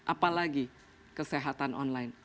apalagi kesehatan online